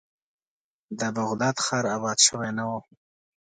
د بغداد ښار آباد شوی نه و.